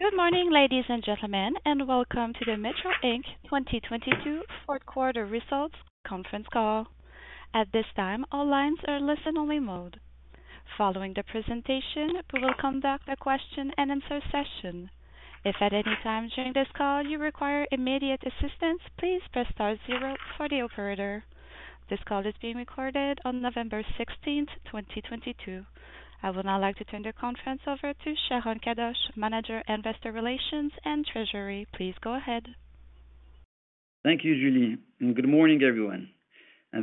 Good morning, ladies and gentlemen, and welcome to the Metro Inc. 2022 fourth quarter results conference call. At this time, all lines are listen-only mode. Following the presentation, we will conduct a question-and-answer session. If at any time during this call you require immediate assistance, please press star zero for the operator. This call is being recorded on November 16, 2022. I would now like to turn the conference over to Sharon Kadoche, Manager, Investor Relations and Treasury. Please go ahead. Thank you, Julie, and good morning, everyone.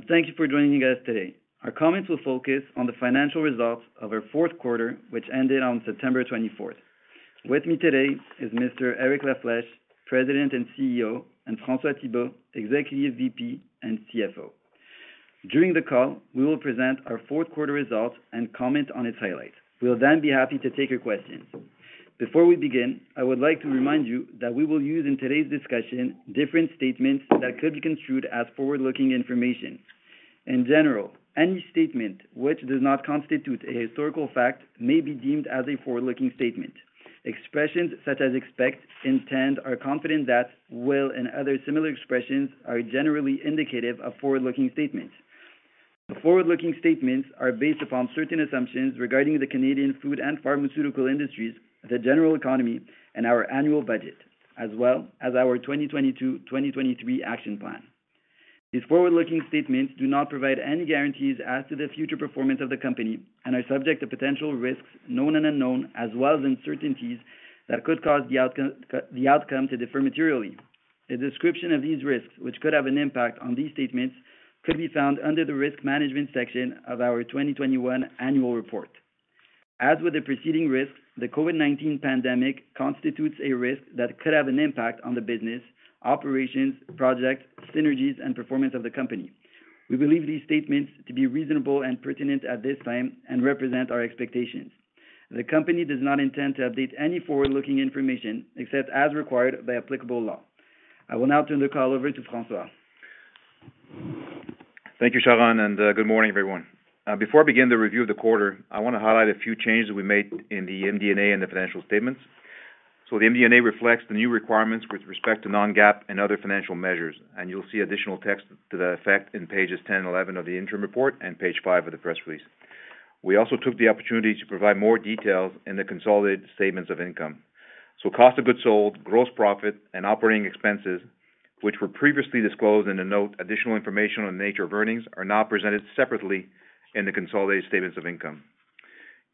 Thank you for joining us today. Our comments will focus on the financial results of our fourth quarter, which ended on September 24th. With me today is Mr. Eric La Flèche, President and CEO, and François Thibault, Executive VP and CFO. During the call, we will present our fourth quarter results and comment on its highlights. We'll then be happy to take your questions. Before we begin, I would like to remind you that we will use in today's discussion different statements that could be construed as forward-looking information. In general, any statement which does not constitute a historical fact may be deemed as a forward-looking statement. Expressions such as expect, intend, are confident that, will, and other similar expressions are generally indicative of forward-looking statements. The forward-looking statements are based upon certain assumptions regarding the Canadian food and pharmaceutical industries, the general economy, and our annual budget, as well as our 2022, 2023 action plan. These forward-looking statements do not provide any guarantees as to the future performance of the company and are subject to potential risks, known and unknown, as well as uncertainties that could cause the outcome to differ materially. A description of these risks, which could have an impact on these statements, could be found under the Risk Management section of our 2021 annual report. As with the preceding risks, the COVID-19 pandemic constitutes a risk that could have an impact on the business, operations, projects, synergies, and performance of the company. We believe these statements to be reasonable and pertinent at this time and represent our expectations. The company does not intend to update any forward-looking information except as required by applicable law. I will now turn the call over to François. Thank you, Sharon, and good morning, everyone. Before I begin the review of the quarter, I wanna highlight a few changes we made in the MD&A and the financial statements. The MD&A reflects the new requirements with respect to non-GAAP and other financial measures, and you'll see additional text to that effect in pages 10 and 11 of the interim report and page 5 of the press release. We also took the opportunity to provide more details in the consolidated statements of income. Cost of goods sold, gross profit, and operating expenses, which were previously disclosed in a note, additional information on nature of earnings, are now presented separately in the consolidated statements of income.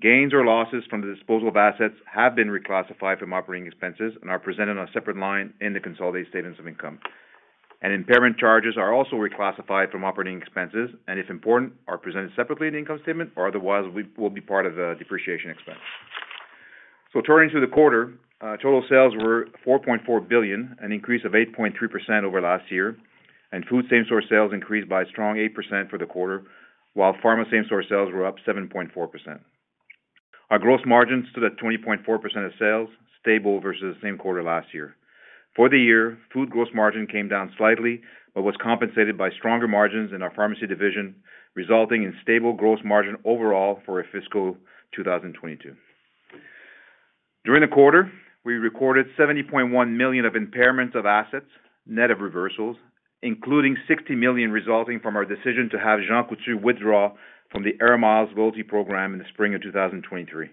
Gains or losses from the disposal of assets have been reclassified from operating expenses and are presented on a separate line in the consolidated statements of income. Impairment charges are also reclassified from operating expenses, and if important, are presented separately in the income statement or otherwise will be part of the depreciation expense. Turning to the quarter, total sales were 4.4 billion, an increase of 8.3% over last year, and food same-store sales increased by a strong 8% for the quarter, while pharma same-store sales were up 7.4%. Our gross margins stood at 20.4% of sales, stable versus the same quarter last year. For the year, food gross margin came down slightly, but was compensated by stronger margins in our pharmacy division, resulting in stable gross margin overall for a fiscal 2022. During the quarter, we recorded 70.1 million of impairments of assets, net of reversals, including 60 million resulting from our decision to have Jean Coutu withdraw from the Air Miles loyalty program in the spring of 2023.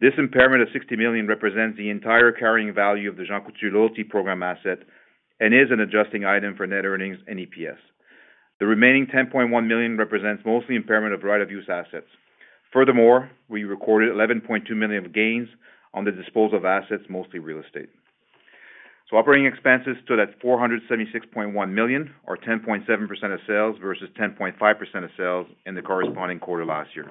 This impairment of 60 million represents the entire carrying value of the Jean Coutu loyalty program asset and is an adjusting item for net earnings and EPS. The remaining 10.1 million represents mostly impairment of right-of-use assets. Furthermore, we recorded 11.2 million of gains on the disposal of assets, mostly real estate. Operating expenses stood at CAD 476.1 million or 10.7% of sales versus 10.5% of sales in the corresponding quarter last year.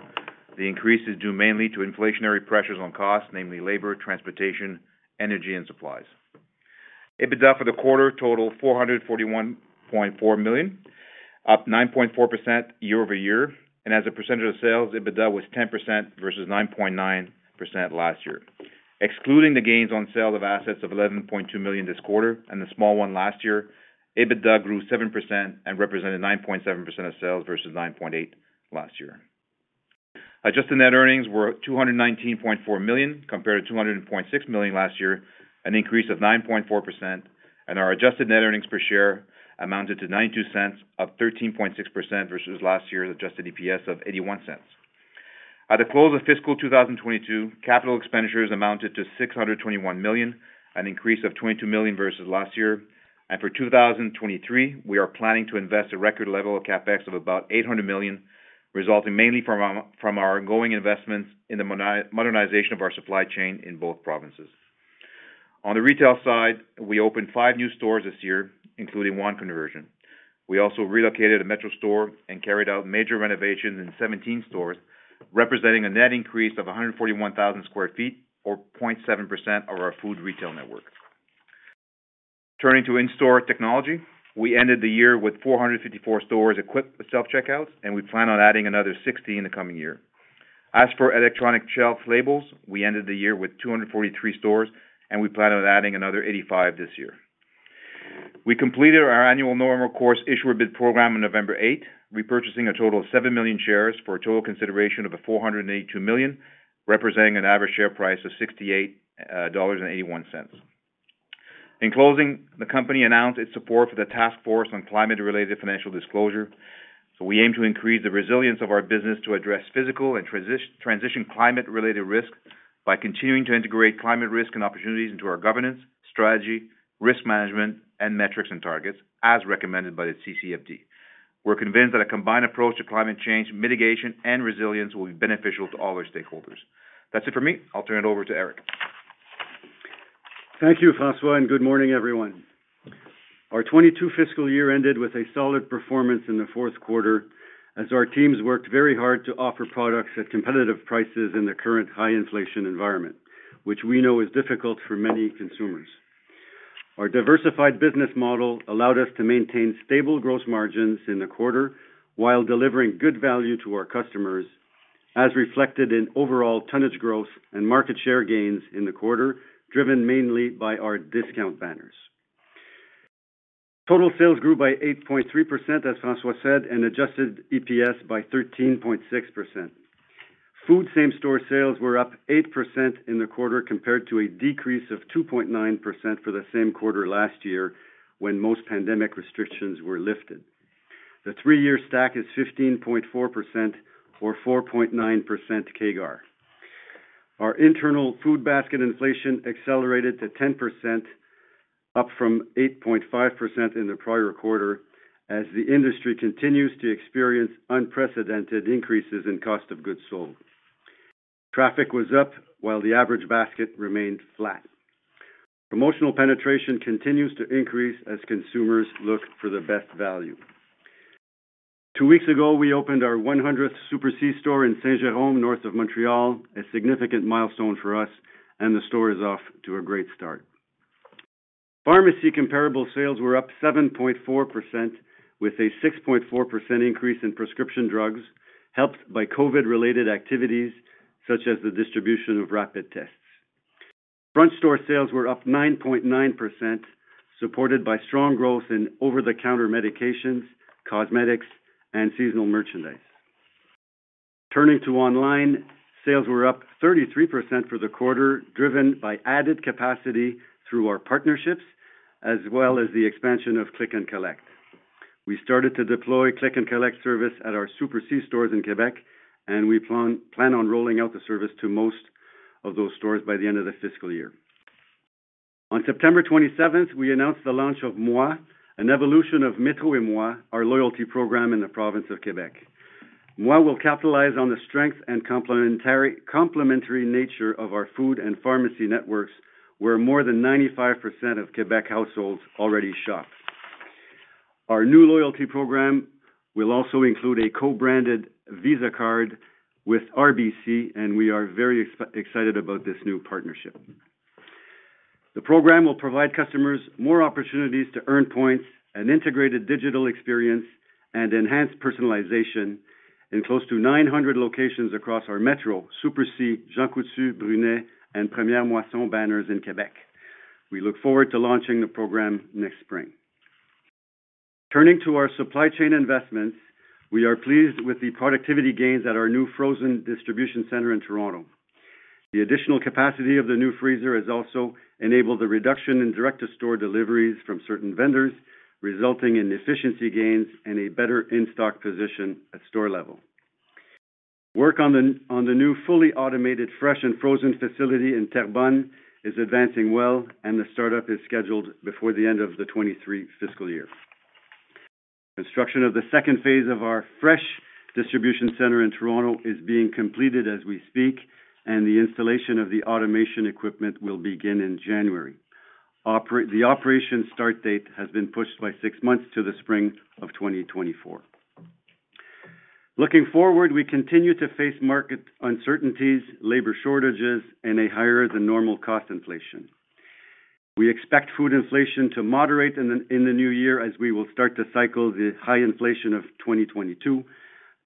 The increase is due mainly to inflationary pressures on costs, namely labor, transportation, energy, and supplies. EBITDA for the quarter totaled 441.4 million, up 9.4% year-over-year, and as a percentage of sales, EBITDA was 10% versus 9.9% last year. Excluding the gains on sale of assets of 11.2 million this quarter and the small one last year, EBITDA grew 7% and represented 9.7% of sales versus 9.8% last year. Adjusted net earnings were 219.4 million compared to 206.6 million last year, an increase of 9.4%, and our adjusted net earnings per share amounted to 0.92, up 13.6% versus last year's adjusted EPS of 0.81. At the close of fiscal 2022, capital expenditures amounted to 621 million, an increase of 22 million versus last year. For 2023, we are planning to invest a record level of CapEx of about 800 million, resulting mainly from our ongoing investments in the modernization of our supply chain in both provinces. On the retail side, we opened 5 new stores this year, including one conversion. We also relocated a Metro store and carried out major renovations in 17 stores, representing a net increase of 141,000 sq ft or 0.7% of our food retail network. Turning to in-store technology, we ended the year with 454 stores equipped with self-checkouts, and we plan on adding another 60 in the coming year. As for electronic shelf labels, we ended the year with 243 stores, and we plan on adding another 85 this year. We completed our annual normal course issuer bid program on November 8, repurchasing a total of 7 million shares for a total consideration of 482 million, representing an average share price of 68.81 dollars. In closing, the company announced its support for the Task Force on Climate-related Financial Disclosures. We aim to increase the resilience of our business to address physical and transition climate-related risks by continuing to integrate climate risk and opportunities into our governance, strategy, risk management, and metrics and targets, as recommended by the TCFD. We're convinced that a combined approach to climate change mitigation and resilience will be beneficial to all our stakeholders. That's it for me. I'll turn it over to Eric. Thank you, François, and good morning, everyone. Our 2022 fiscal year ended with a solid performance in the fourth quarter as our teams worked very hard to offer products at competitive prices in the current high inflation environment, which we know is difficult for many consumers. Our diversified business model allowed us to maintain stable gross margins in the quarter while delivering good value to our customers, as reflected in overall tonnage growth and market share gains in the quarter, driven mainly by our discount banners. Total sales grew by 8.3%, as François said, and adjusted EPS by 13.6%. Food same-store sales were up 8% in the quarter, compared to a decrease of 2.9% for the same quarter last year, when most pandemic restrictions were lifted. The three-year stack is 15.4% or 4.9% CAGR. Our internal food basket inflation accelerated to 10%, up from 8.5% in the prior quarter, as the industry continues to experience unprecedented increases in cost of goods sold. Traffic was up while the average basket remained flat. Promotional penetration continues to increase as consumers look for the best value. Two weeks ago, we opened our 100th Super C store in Saint-Jérôme, north of Montreal, a significant milestone for us, and the store is off to a great start. Pharmacy comparable sales were up 7.4% with a 6.4% increase in prescription drugs, helped by COVID-related activities such as the distribution of rapid tests. Front store sales were up 9.9%, supported by strong growth in over-the-counter medications, cosmetics, and seasonal merchandise. Turning to online, sales were up 33% for the quarter, driven by added capacity through our partnerships as well as the expansion of Click and Collect. We started to deploy Click and Collect service at our Super C stores in Quebec, and we plan on rolling out the service to most of those stores by the end of this fiscal year. On September 27th, we announced the launch of Moi, an evolution of metro&moi, our loyalty program in the province of Quebec. Moi will capitalize on the strength and complementary nature of our food and pharmacy networks, where more than 95% of Quebec households already shop. Our new loyalty program will also include a co-branded Visa card with RBC, and we are very excited about this new partnership. The program will provide customers more opportunities to earn points and integrated digital experience and enhanced personalization in close to 900 locations across our Metro, Super C, Jean Coutu, Brunet, and Première Moisson banners in Quebec. We look forward to launching the program next spring. Turning to our supply chain investments, we are pleased with the productivity gains at our new frozen distribution center in Toronto. The additional capacity of the new freezer has also enabled a reduction in direct-to-store deliveries from certain vendors, resulting in efficiency gains and a better in-stock position at store level. Work on the new fully automated fresh and frozen facility in Terrebonne is advancing well, and the startup is scheduled before the end of the 2023 fiscal year. Construction of the second phase of our fresh distribution center in Toronto is being completed as we speak, and the installation of the automation equipment will begin in January. The operation start date has been pushed by six months to the spring of 2024. Looking forward, we continue to face market uncertainties, labor shortages, and a higher than normal cost inflation. We expect food inflation to moderate in the new year as we will start to cycle the high inflation of 2022,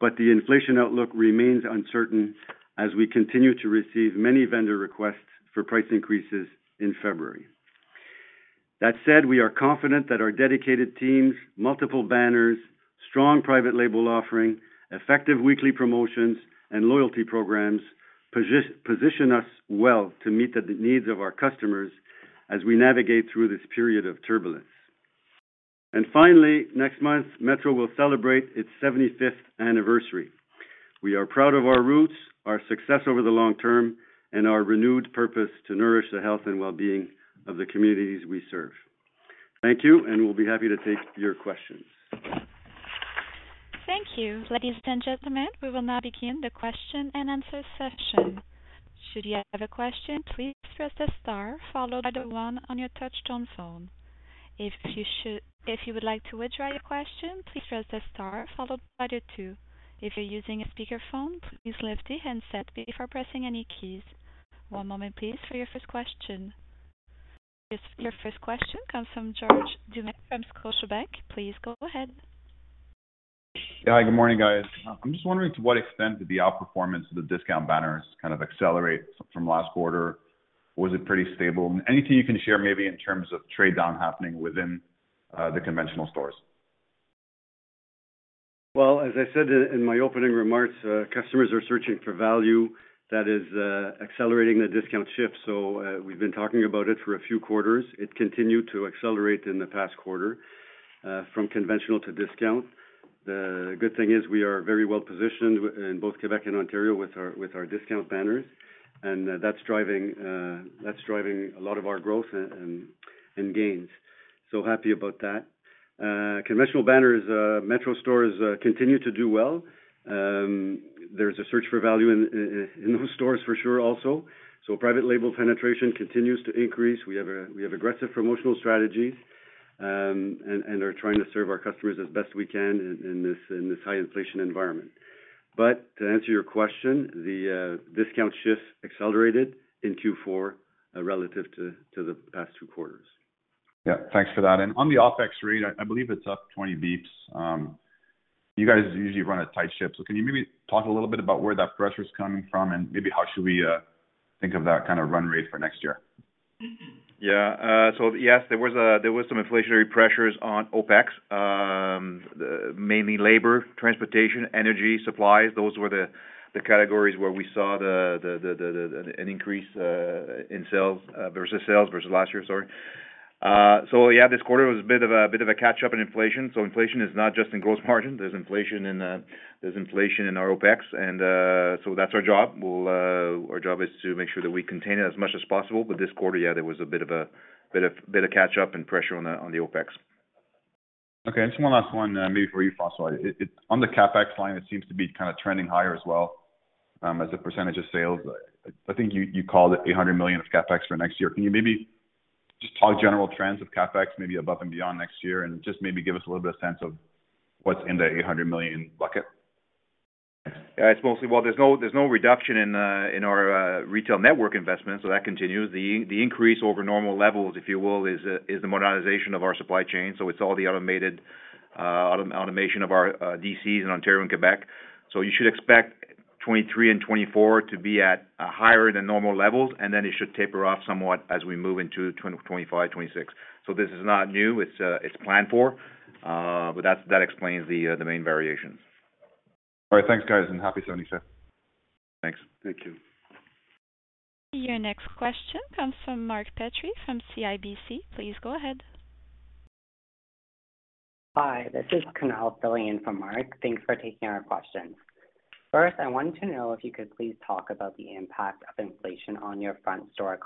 but the inflation outlook remains uncertain as we continue to receive many vendor requests for price increases in February. That said, we are confident that our dedicated teams, multiple banners, strong private label offering, effective weekly promotions, and loyalty programs position us well to meet the needs of our customers as we navigate through this period of turbulence. Finally, next month, Metro will celebrate its seventy-fifth anniversary. We are proud of our roots, our success over the long term, and our renewed purpose to nourish the health and well-being of the communities we serve. Thank you, and we'll be happy to take your questions. Thank you. Ladies and gentlemen, we will now begin the question and answer session. Should you have a question, please press star followed by the one on your touchtone phone. If you would like to withdraw your question, please press star followed by the two. If you're using a speakerphone, please lift the handset before pressing any keys. One moment please for your first question. Your first question comes from George Doumet from Scotiabank. Please go ahead. Yeah. Good morning, guys. I'm just wondering to what extent did the outperformance of the discount banners kind of accelerate from last quarter? Was it pretty stable? Anything you can share maybe in terms of trade down happening within the conventional stores? Well, as I said in my opening remarks, customers are searching for value that is accelerating the discount shift. We've been talking about it for a few quarters. It continued to accelerate in the past quarter from conventional to discount. The good thing is we are very well-positioned in both Quebec and Ontario with our discount banners, and that's driving a lot of our growth and gains. Happy about that. Conventional banners, Metro stores, continue to do well. There's a search for value in those stores for sure also. Private label penetration continues to increase. We have aggressive promotional strategies, and are trying to serve our customers as best we can in this high inflation environment. To answer your question, the discount shift accelerated in Q4 relative to the past two quarters. Yeah, thanks for that. On the OpEx rate, I believe it's up 20 basis points. You guys usually run a tight ship, so can you maybe talk a little bit about where that pressure is coming from and maybe how should we think of that kind of run rate for next year? Yeah. Yes, there was some inflationary pressures on OpEx. Mainly labor, transportation, energy, supplies. Those were an increase in costs versus last year, sorry. Yeah, this quarter was a bit of a catch-up in inflation. Inflation is not just in gross margin, there's inflation in our OpEx. That's our job. Well, our job is to make sure that we contain it as much as possible. This quarter, yeah, there was a bit of catch-up and pressure on the OpEx. Okay. Just one last one, maybe for you, François. On the CapEx line, it seems to be kind of trending higher as well, as a percentage of sales. I think you called it 800 million of CapEx for next year. Can you maybe just talk general trends of CapEx maybe above and beyond next year, and just maybe give us a little bit of sense of what's in the 800 million bucket? Yeah. It's mostly. Well, there's no reduction in our retail network investment, so that continues. The increase over normal levels, if you will, is the modernization of our supply chain. It's all the automation of our DCs in Ontario and Quebec. You should expect 2023 and 2024 to be at higher than normal levels, and then it should taper off somewhat as we move into 2025, 2026. This is not new. It's planned for, but that explains the main variations. All right. Thanks, guys, and happy 77. Thanks. Thank you. Your next question comes from Mark Petrie from CIBC. Please go ahead. Hi, this is Kunal filling in for Mark. Thanks for taking our question. First, I wanted to know if you could please talk about the impact of inflation on your front store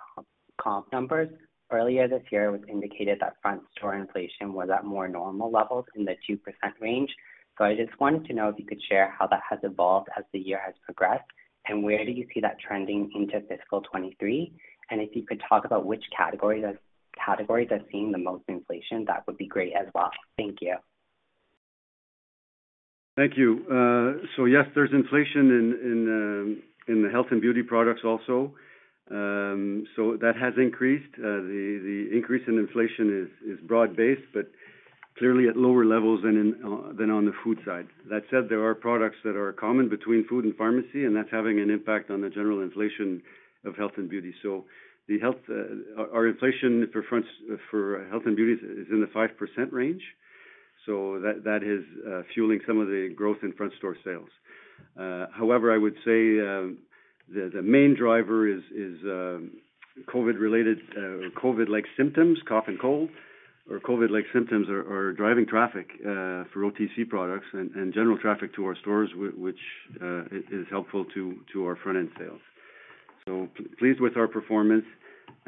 comp numbers. Earlier this year, it was indicated that front store inflation was at more normal levels in the 2% range. I just wanted to know if you could share how that has evolved as the year has progressed, and where do you see that trending into fiscal 2023. If you could talk about which categories are seeing the most inflation, that would be great as well. Thank you. Thank you. Yes, there's inflation in the health and beauty products also. That has increased. The increase in inflation is broad-based, but clearly at lower levels than on the food side. That said, there are products that are common between food and pharmacy, and that's having an impact on the general inflation of health and beauty. The health, our inflation for health and beauty is in the 5% range. That is fueling some of the growth in front store sales. However, I would say, the main driver is COVID-related or COVID-like symptoms, cough and cold. COVID-like symptoms are driving traffic for OTC products and general traffic to our stores which is helpful to our front-end sales. Pleased with our performance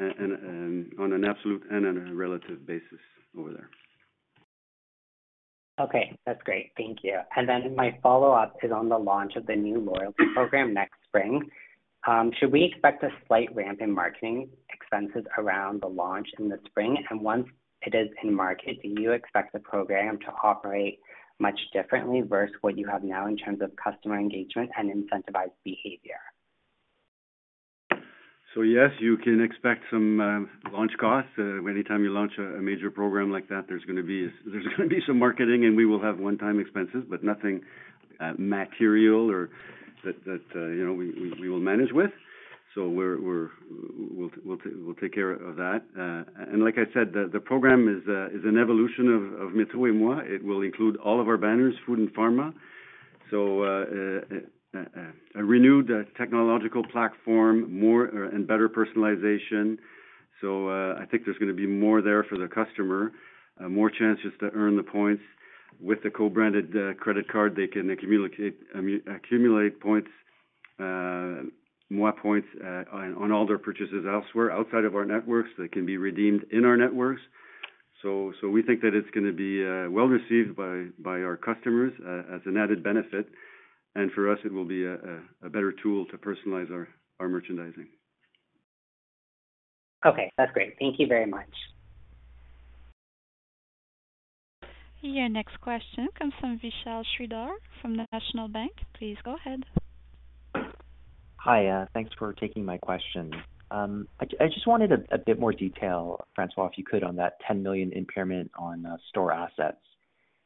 on an absolute and on a relative basis over there. Okay. That's great. Thank you. My follow-up is on the launch of the new loyalty program next spring. Should we expect a slight ramp in marketing expenses around the launch in the spring? Once it is in market, do you expect the program to operate much differently versus what you have now in terms of customer engagement and incentivized behavior? Yes, you can expect some launch costs. Anytime you launch a major program like that, there's gonna be some marketing and we will have one-time expenses, but nothing material or that you know we will manage with. We'll take care of that. Like I said, the program is an evolution of metro&moi. It will include all of our banners, food and pharma. A renewed technological platform, more and better personalization. I think there's gonna be more there for the customer, more chances to earn the points. With the co-branded credit card, they can accumulate points, Moi points, on all their purchases elsewhere outside of our networks that can be redeemed in our networks. We think that it's gonna be well received by our customers as an added benefit. For us, it will be a better tool to personalize our merchandising. Okay. That's great. Thank you very much. Your next question comes from Vishal Shreedhar from National Bank. Please go ahead. Hi, thanks for taking my question. I just wanted a bit more detail, François, if you could, on that 10 million impairment on store assets.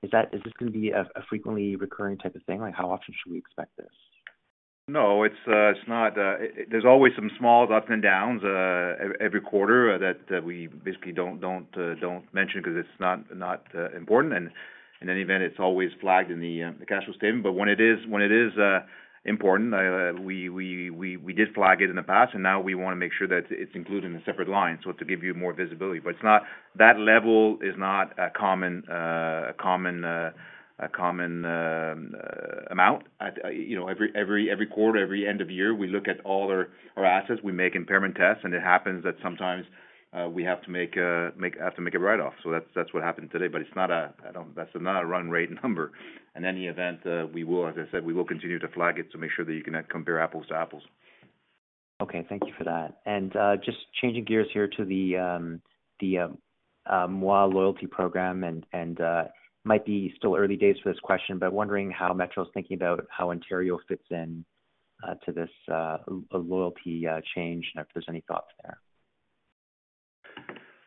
Is this gonna be a frequently recurring type of thing? Like, how often should we expect this? No, it's not. There's always some small ups and downs every quarter that we basically don't mention 'cause it's not important. In any event, it's always flagged in the cash flow statement. When it is important, we did flag it in the past, and now we wanna make sure that it's included in a separate line, so to give you more visibility. It's not. That level is not a common amount. You know, every quarter, every end of year, we look at all our assets. We make impairment tests, and it happens that sometimes we have to make a write-off. That's what happened today, but it's not a. That's not a run rate number. In any event, we will, as I said, we will continue to flag it to make sure that you can compare apples to apples. Okay, thank you for that. Just changing gears here to the Moi loyalty program and might be still early days for this question, but wondering how Metro's thinking about how Ontario fits in to this loyalty change and if there's any thoughts there.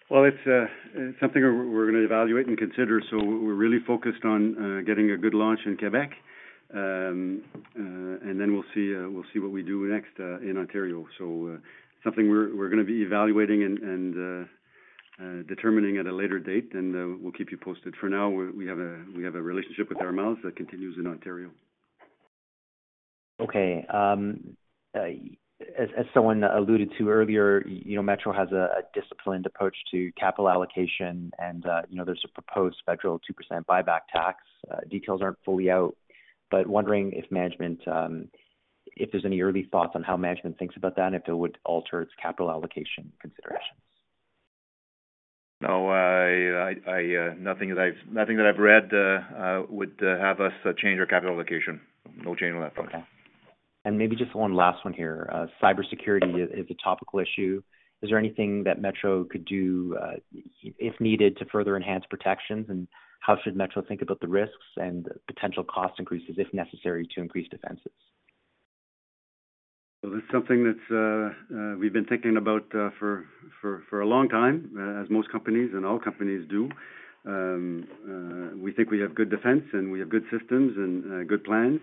Well, it's something we're gonna evaluate and consider, so we're really focused on getting a good launch in Quebec. Then we'll see what we do next in Ontario. Something we're gonna be evaluating and determining at a later date, and we'll keep you posted. For now, we have a relationship with our members that continues in Ontario. Okay. As someone alluded to earlier, you know, Metro has a disciplined approach to capital allocation and, you know, there's a proposed federal 2% buyback tax. Details aren't fully out, but wondering if there's any early thoughts on how management thinks about that, if it would alter its capital allocation considerations? No, nothing that I've read would have us change our capital allocation. No change on that front. Okay. Maybe just one last one here. Cybersecurity is a topical issue. Is there anything that Metro could do, if needed, to further enhance protections? How should Metro think about the risks and potential cost increases if necessary to increase defenses? Well, it's something that we've been thinking about for a long time as most companies and all companies do. We think we have good defense and we have good systems and good plans,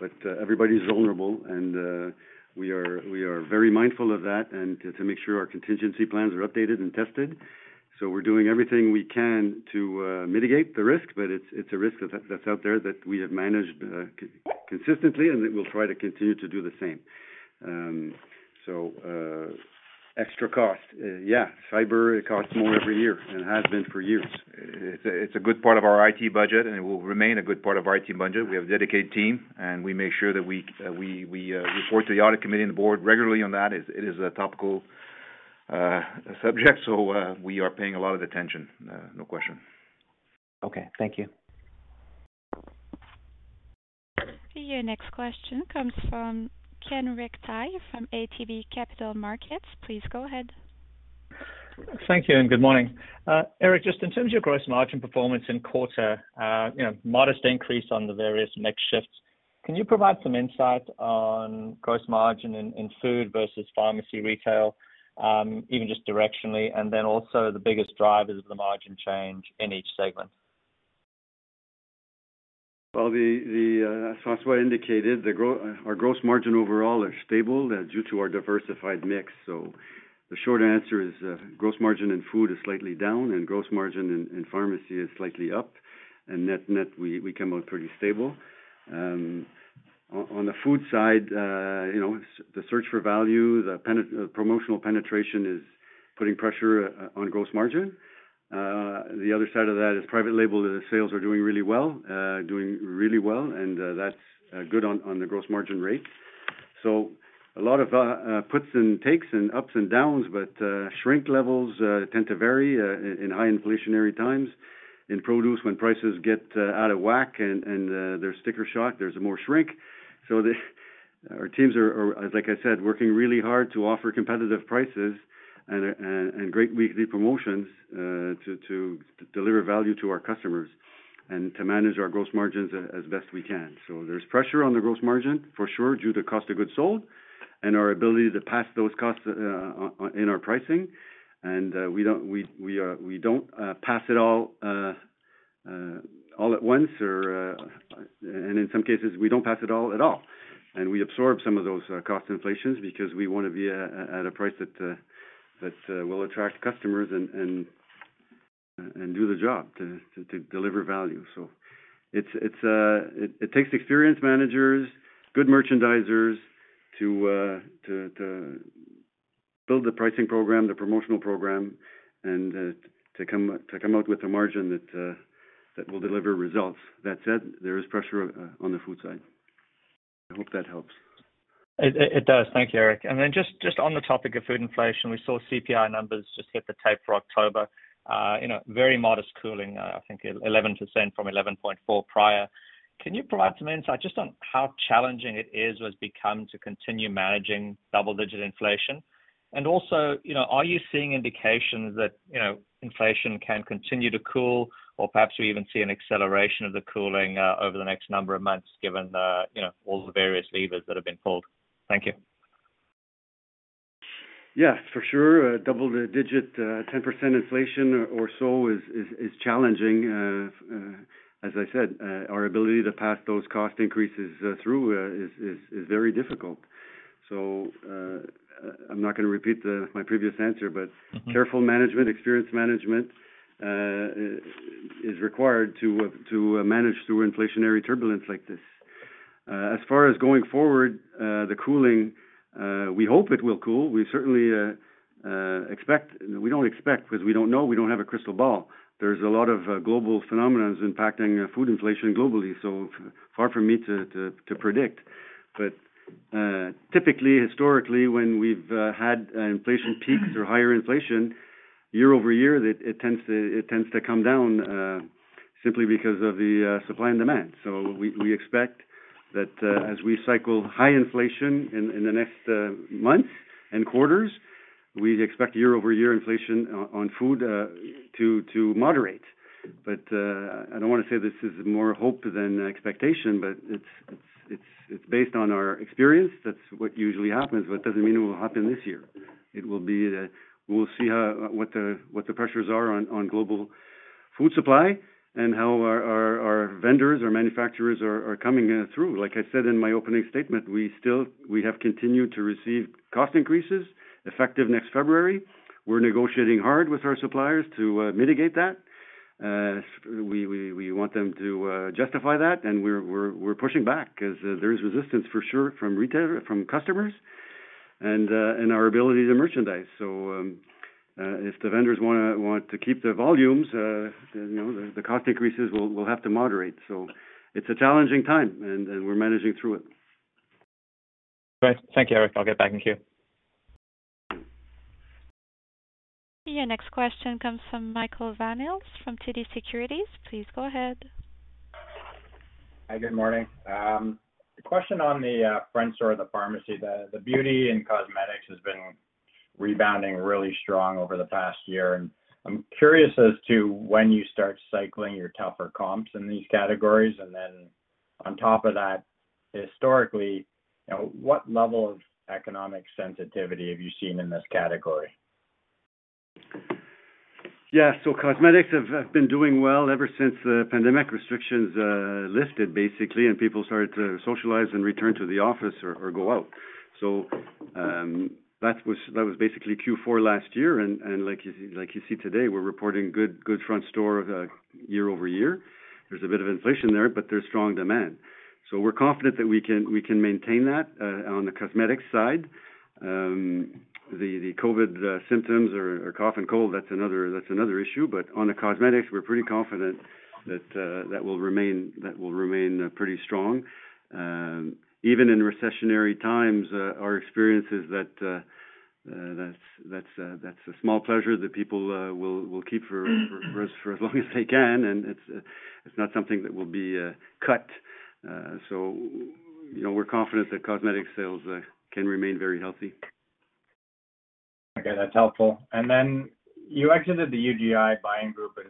but everybody's vulnerable and we are very mindful of that and to make sure our contingency plans are updated and tested. We're doing everything we can to mitigate the risk, but it's a risk that's out there that we have managed consistently and that we'll try to continue to do the same. Extra cost. Yeah, cyber, it costs more every year and has been for years. It's a good part of our IT budget, and it will remain a good part of our IT budget. We have a dedicated team, and we make sure that we report to the audit committee and the board regularly on that. It is a topical subject, so we are paying a lot of attention, no question. Okay, thank you. Your next question comes from Kenric Tyghe from ATB Capital Markets. Please go ahead. Thank you, and good morning. Eric, just in terms of your gross margin performance in quarter, you know, modest increase on the various mix shifts. Can you provide some insight on gross margin in food versus pharmacy retail, even just directionally? Then also the biggest drivers of the margin change in each segment. Well, as François indicated, our gross margin overall are stable due to our diversified mix. The short answer is, gross margin in food is slightly down, and gross margin in pharmacy is slightly up, and net, we come out pretty stable. On the food side, you know, the search for value, the promotional penetration is putting pressure on gross margin. The other side of that is private label. The sales are doing really well, and that's good on the gross margin rate. A lot of puts and takes and ups and downs, but shrink levels tend to vary in high inflationary times. In produce, when prices get out of whack and there's sticker shock, there's more shrink. Our teams are, like I said, working really hard to offer competitive prices and great weekly promotions to deliver value to our customers and to manage our gross margins as best we can. There's pressure on the gross margin, for sure, due to cost of goods sold and our ability to pass those costs in our pricing. We don't pass it all at once or and in some cases, we don't pass it all at all. We absorb some of those cost inflations because we wanna be at a price that will attract customers and do the job to deliver value. It takes experienced managers, good merchandisers to build the pricing program, the promotional program, and to come out with a margin that will deliver results. That said, there is pressure on the food side. I hope that helps. It does. Thank you, Eric. Then just on the topic of food inflation, we saw CPI numbers just hit the tape for October. You know, very modest cooling, I think 11% from 11.4 prior. Can you provide some insight just on how challenging it is or has become to continue managing double-digit inflation? Also, you know, are you seeing indications that, you know, inflation can continue to cool or perhaps we even see an acceleration of the cooling, over the next number of months given the, you know, all the various levers that have been pulled? Thank you. Yes, for sure. Double-digit 10% inflation or so is challenging. As I said, our ability to pass those cost increases through is very difficult. I'm not gonna repeat my previous answer, but. Mm-hmm. Careful management, experienced management, is required to manage through inflationary turbulence like this. As far as going forward, the cooling, we hope it will cool. We certainly don't expect, because we don't know, we don't have a crystal ball. There's a lot of global phenomena impacting food inflation globally, so far from me to predict. Typically, historically, when we've had inflation peaks or higher inflation year-over-year, it tends to come down simply because of the supply and demand. We expect that, as we cycle high inflation in the next months and quarters, we expect year-over-year inflation on food to moderate. I don't wanna say this is more hope than expectation, but it's based on our experience. That's what usually happens, but it doesn't mean it will happen this year. It will be, we'll see how what the pressures are on global food supply and how our vendors or manufacturers are coming through. Like I said in my opening statement, we have continued to receive cost increases effective next February. We're negotiating hard with our suppliers to mitigate that. We want them to justify that, and we're pushing back 'cause there is resistance for sure from customers and our ability to merchandise. If the vendors wanna keep their volumes, you know, the cost increases will have to moderate. It's a challenging time and we're managing through it. Great. Thank you, Eric. I'll get back in queue. Your next question comes from Michael Van Aelst from TD Securities. Please go ahead. Hi, good morning. The question on the front store of the pharmacy, the beauty and cosmetics has been rebounding really strong over the past year. I'm curious as to when you start cycling your tougher comps in these categories. On top of that, historically, you know, what level of economic sensitivity have you seen in this category? Yeah. Cosmetics have been doing well ever since the pandemic restrictions lifted, basically, and people started to socialize and return to the office or go out. That was basically Q4 last year. Like you see today, we're reporting good front store year-over-year. There's a bit of inflation there, but there's strong demand. We're confident that we can maintain that on the cosmetics side. The COVID symptoms or cough and cold, that's another issue. On the cosmetics, we're pretty confident that that will remain pretty strong. Even in recessionary times, our experience is that that's a small pleasure that people will keep for as long as they can, and it's not something that will be cut. You know, we're confident that cosmetic sales can remain very healthy. Okay, that's helpful. You exited the UGI buying group, and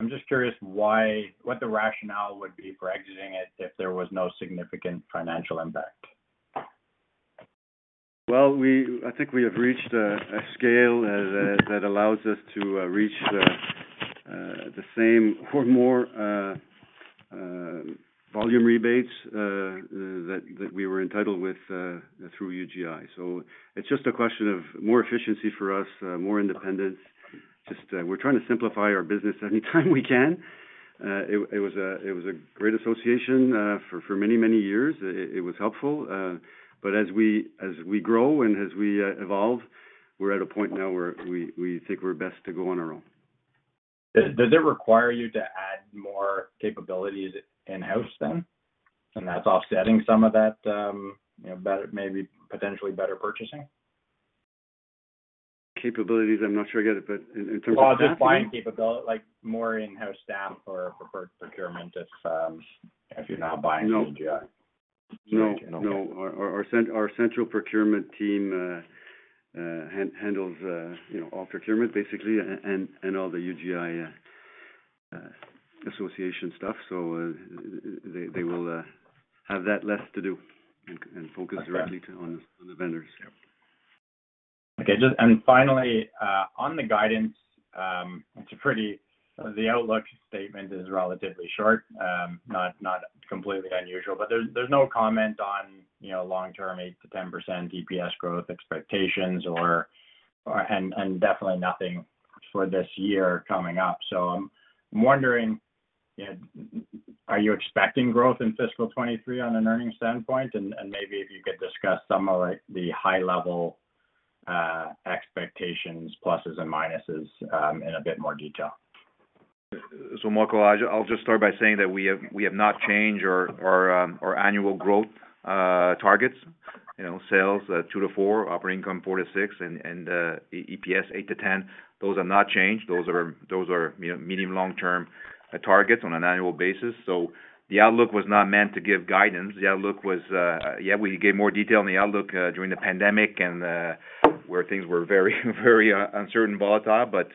I'm just curious why, what the rationale would be for exiting it if there was no significant financial impact. Well, I think we have reached a scale that allows us to reach the same or more volume rebates that we were entitled with through UGI. It's just a question of more efficiency for us, more independence. Just, we're trying to simplify our business anytime we can. It was a great association for many years. It was helpful. As we grow and as we evolve, we're at a point now where we think we're best to go on our own. Does it require you to add more capabilities in-house then? That's offsetting some of that, you know, better, maybe potentially better purchasing. Capabilities, I'm not sure I get it, but in terms of that. Well, just buying capability, like more in-house staff or for procurement if you're not buying UGI. No. Our central procurement team handles, you know, all procurement basically, and all the UGI association stuff. They will have that less to do and focus directly on the vendors. Okay. Finally, on the guidance, the outlook statement is relatively short, not completely unusual. There's no comment on, you know, long-term 8%-10% EPS growth expectations, and definitely nothing for this year coming up. I'm wondering, you know, are you expecting growth in fiscal 2023 on an earnings standpoint? Maybe if you could discuss some of, like, the high level expectations, pluses and minuses, in a bit more detail. Michael, I'll just start by saying that we have not changed our annual growth targets. You know, sales at 2%-4%, operating income 4%-6%, and EPS 8%-10%. Those are not changed. Those are, you know, medium long term targets on an annual basis. The outlook was not meant to give guidance. The outlook was. We gave more detail on the outlook during the pandemic and where things were very very uncertain, volatile, but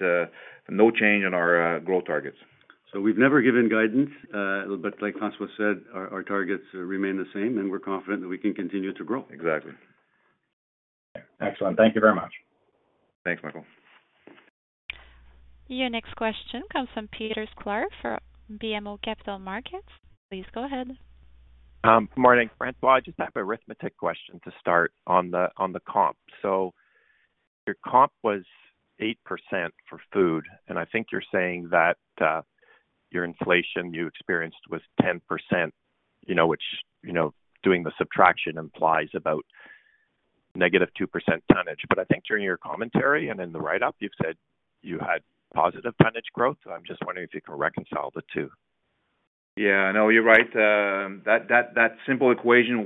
no change in our growth targets. We've never given guidance, but like François said, our targets remain the same, and we're confident that we can continue to grow. Exactly. Excellent. Thank you very much. Thanks, Michael. Your next question comes from Peter Sklar for BMO Capital Markets. Please go ahead. Good morning, François. I just have arithmetic question to start on the comp. Your comp was 8% for food, and I think you're saying that your inflation you experienced was 10%, you know, which, you know, doing the subtraction implies about -2% tonnage. I think during your commentary and in the writeup, you've said you had positive tonnage growth. I'm just wondering if you can reconcile the two. Yeah, no, you're right. That simple equation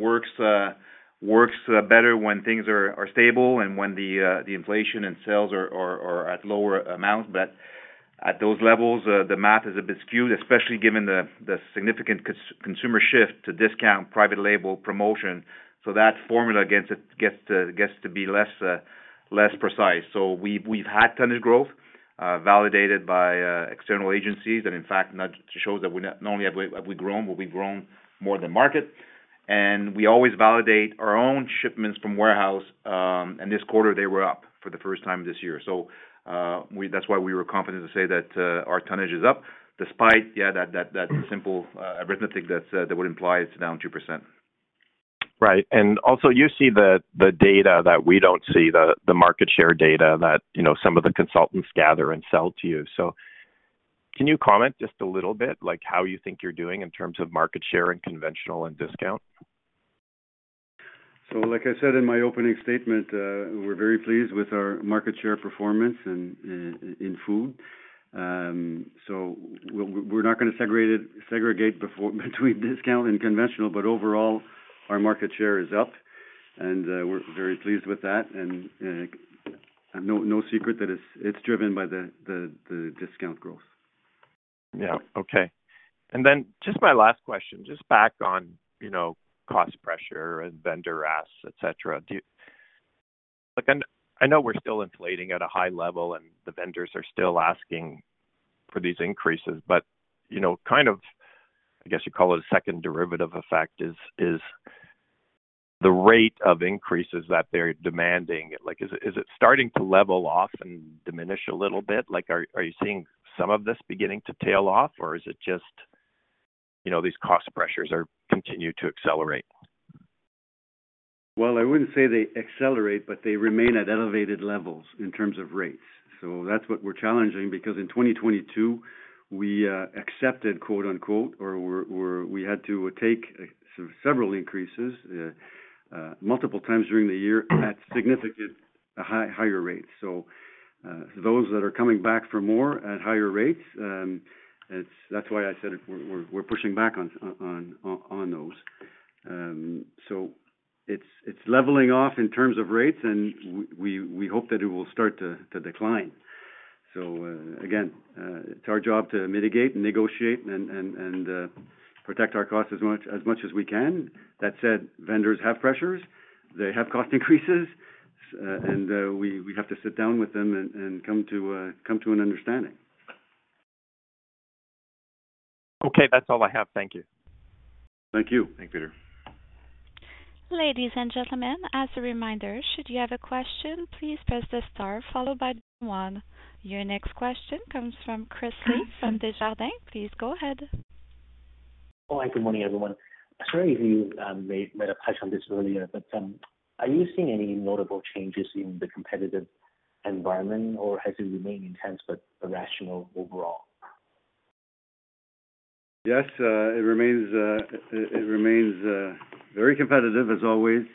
works better when things are stable and when the inflation and sales are at lower amounts. At those levels, the math is a bit skewed, especially given the significant consumer shift to discount private label promotion. That formula gets to be less precise. We've had tonnage growth validated by external agencies. In fact, not only have we grown, but we've grown more than market. We always validate our own shipments from warehouse. This quarter they were up for the first time this year. That's why we were confident to say that our tonnage is up despite that simple arithmetic that would imply it's down 2%. Right. Also, you see the data that we don't see, the market share data that, you know, some of the consultants gather and sell to you. Can you comment just a little bit, like how you think you're doing in terms of market share and conventional and discount? Like I said in my opening statement, we're very pleased with our market share performance in food. We're not gonna segregate it between discount and conventional, but overall our market share is up and we're very pleased with that. No secret that it's driven by the discount growth. Yeah. Okay. Just my last question, just back on, you know, cost pressure and vendor asks, etc. Look, I know we're still inflating at a high level, and the vendors are still asking for these increases. You know, kind of, I guess, you call it a second derivative effect is the rate of increases that they're demanding. Like, is it starting to level off and diminish a little bit? Like, are you seeing some of this beginning to tail off, or is it just, you know, these cost pressures continue to accelerate? Well, I wouldn't say they accelerate, but they remain at elevated levels in terms of rates. That's what we're challenging, because in 2022, we accepted quote unquote we had to take several increases multiple times during the year at significantly higher rates. Those that are coming back for more at higher rates, it's that's why I said if we're pushing back on those. It's leveling off in terms of rates, and we hope that it will start to decline. Again, it's our job to mitigate, negotiate and protect our costs as much as we can. That said, vendors have pressures, they have cost increases, and we have to sit down with them and come to an understanding. Okay. That's all I have. Thank you. Thank you. Thanks, Peter. Ladies and gentlemen, as a reminder, should you have a question, please press the star followed by one. Your next question comes from Christopher Li from Desjardins. Please go ahead. All right. Good morning, everyone. Sorry if you made a touch on this earlier, but are you seeing any notable changes in the competitive environment, or has it remained intense but rational overall? Yes, it remains very competitive as always,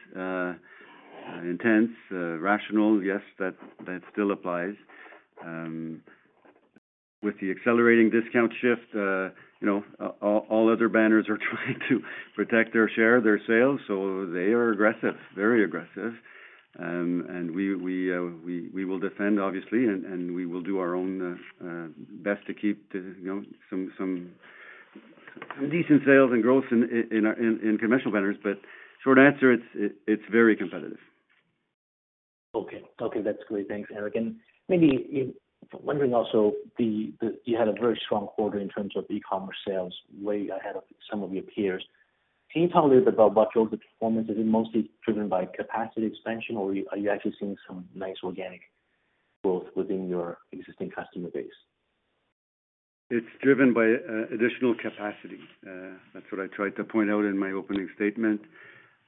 intense, rational, yes, that still applies. With the accelerating discount shift, you know, all other banners are trying to protect their share, their sales, so they are aggressive, very aggressive. We will defend obviously, and we will do our own best to keep, you know, some decent sales and growth in commercial banners. Short answer, it's very competitive. Okay. Okay, that's great. Thanks, Eric. You had a very strong quarter in terms of e-commerce sales way ahead of some of your peers. Can you tell me a little bit about what drove the performance? Is it mostly driven by capacity expansion, or are you actually seeing some nice organic growth within your existing customer base? It's driven by additional capacity. That's what I tried to point out in my opening statement.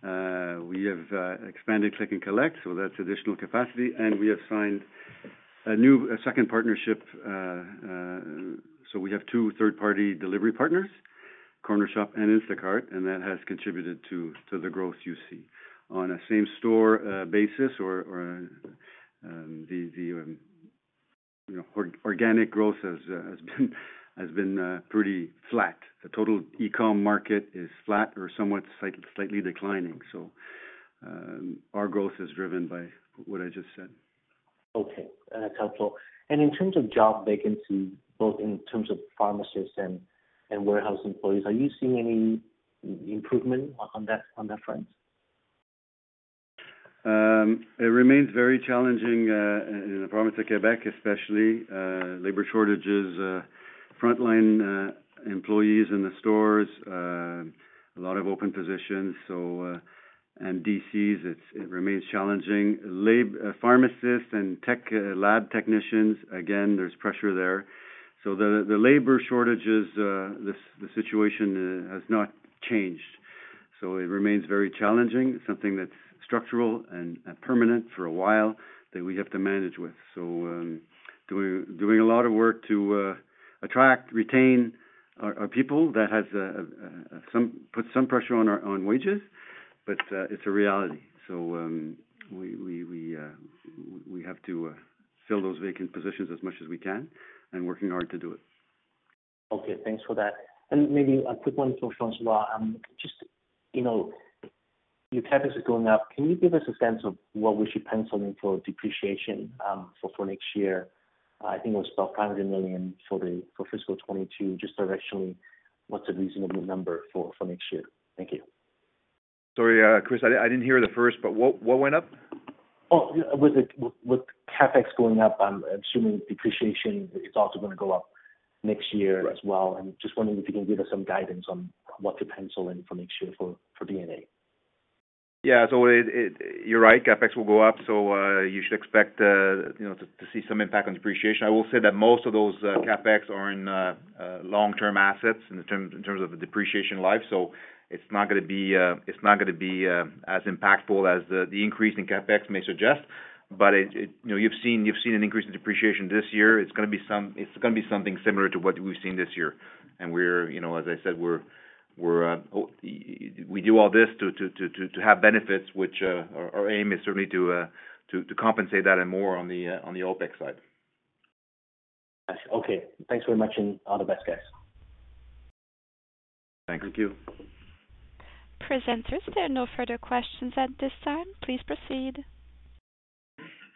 We have expanded Click and Collect, so that's additional capacity. We have signed a new second partnership, so we have two third-party delivery partners, Cornershop and Instacart, and that has contributed to the growth you see. On a same store basis or organic growth has been pretty flat. The total e-com market is flat or somewhat slightly declining. Our growth is driven by what I just said. Okay. Helpful. In terms of job vacancy, both in terms of pharmacists and warehouse employees, are you seeing any improvement on that front? It remains very challenging in the province of Quebec, especially labor shortages frontline employees in the stores, a lot of open positions. And DCs, it remains challenging. Pharmacists and tech lab technicians, again, there's pressure there. The labor shortages, the situation has not changed. It remains very challenging, something that's structural and permanent for a while that we have to manage with. Doing a lot of work to attract, retain our people that has put some pressure on our wages, but it's a reality. We have to fill those vacant positions as much as we can and working hard to do it. Okay. Thanks for that. Maybe a quick one for François. Just, you know, your CapEx is going up. Can you give us a sense of what we should pencil in for depreciation, for next year? I think it was about 500 million for fiscal 2022. Just directionally, what's a reasonable number for next year? Thank you. Sorry, Chris, I didn't hear the first, but what went up? With CapEx going up, I'm assuming depreciation is also gonna go up next year as well. I'm just wondering if you can give us some guidance on what to pencil in for next year for D&A. You're right, CapEx will go up, so you should expect, you know, to see some impact on depreciation. I will say that most of those CapEx are in long-term assets in terms of the depreciation life. It's not gonna be as impactful as the increase in CapEx may suggest. You know, you've seen an increase in depreciation this year. It's gonna be something similar to what we've seen this year. You know, as I said, we do all this to have benefits which our aim is certainly to compensate that and more on the OpEx side. Okay. Thanks very much, and all the best, guys. Thanks. Thank you. Presenters, there are no further questions at this time. Please proceed.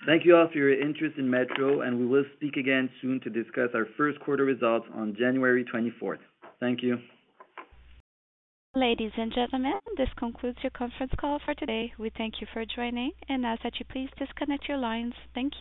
Thank you all for your interest in Metro, and we will speak again soon to discuss our first quarter results on January twenty-fourth. Thank you. Ladies and gentlemen, this concludes your conference call for today. We thank you for joining and ask that you please disconnect your lines. Thank you.